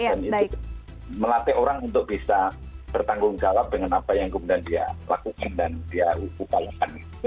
dan itu melatih orang untuk bisa bertanggung jawab dengan apa yang kemudian dia lakukan dan dia upayakan